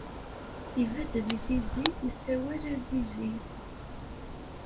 Ibed deg tizi yessawel a zizi.